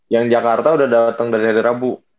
yang jakarta udah datang dari hari rabu